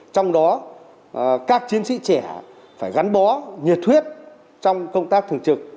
trong đó các chiến sĩ trẻ phải gắn bó nhiệt huyết trong công tác thường trực